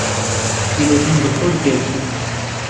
پیرەژن دڵخۆش دیار بوو.